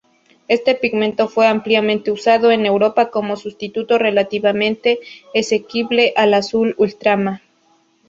Este pigmento fue ampliamente usado en Europa como sustituto relativamente asequible al azul ultramar.